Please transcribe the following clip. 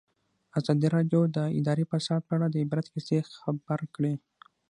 ازادي راډیو د اداري فساد په اړه د عبرت کیسې خبر کړي.